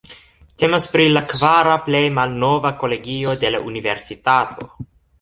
Temas pri la kvara plej malnova kolegio de la Universitato.